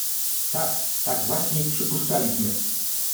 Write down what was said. — Tak, tak właśnie przypuszczaliśmy.